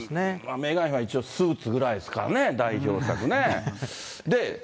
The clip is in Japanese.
メーガン妃は、一応、スーツぐらいですからね、代表作ね。